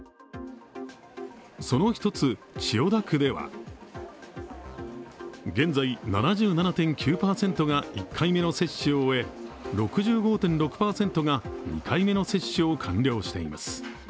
その一つ千代田区では現在７７．９％が１回目の接種を終え６５．６％が２回目の接種を完了しています。